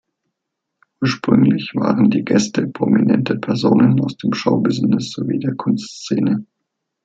Ursprünglich waren die Gäste prominente Personen aus dem Showbusiness sowie der Kunstszene.